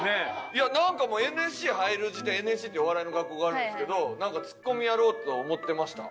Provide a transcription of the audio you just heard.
いやなんかもうＮＳＣ入る時点ＮＳＣっていうお笑いの学校があるんですけどツッコミやろうと思ってました。